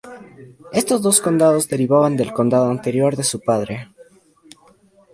Estos dos condados derivaban del condado anterior de su padre.